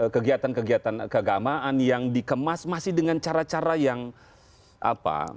kegiatan kegiatan keagamaan yang dikemas masih dengan cara cara yang apa